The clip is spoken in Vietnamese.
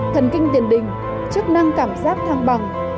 thần kinh tiền đình chức năng cảm giác thăng bằng